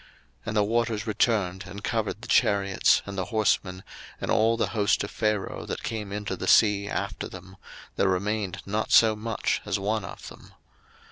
02:014:028 And the waters returned, and covered the chariots, and the horsemen, and all the host of Pharaoh that came into the sea after them; there remained not so much as one of them.